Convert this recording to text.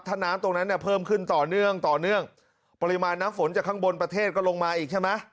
ถ้าน้ำตรงนั้นเนี่ยเพิ่มขึ้นต่อเนื่องต่อเนื่องปริมาณน้ำฝนจากข้างบนประเทศก็ลงมาอีกใช่ไหม